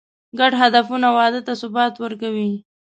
ګډ هدفونه واده ته ثبات ورکوي.